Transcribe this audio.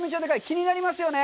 気になりますよね。